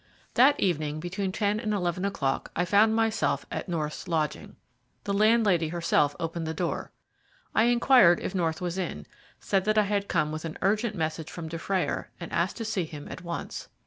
That evening between ten and eleven o'clock I found myself at North's lodgings. The landlady herself opened the door. I inquired if North was in, said that I had come with an urgent message from Dufrayer, and asked to see him at once.